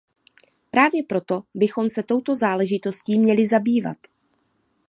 Právě proto bychom se touto záležitostí měli zabývat.